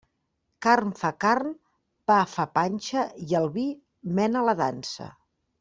Carn fa carn, pa fa panxa i el vi mena la dansa.